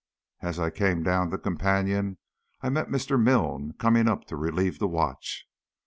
As I came down the companion I met Mr. Milne coming up to relieve the watch.